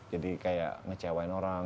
jadi kayak ngecewain orang